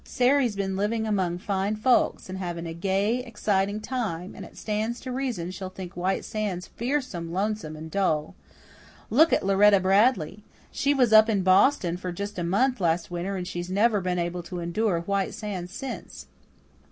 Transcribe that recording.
Sary's been living among fine folks, and having a gay, exciting time, and it stands to reason she'll think White Sands fearful lonesome and dull. Look at Lauretta Bradley. She was up in Boston for just a month last winter and she's never been able to endure White Sands since."